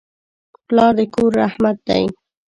پلار د کور رحمت دی.